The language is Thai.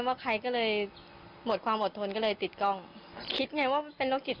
ว่าใครก็เลยหมดความอดทนก็เลยติดกล้องคิดไงว่าเป็นโรคจิต